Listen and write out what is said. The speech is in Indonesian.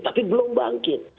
tapi belum bangkit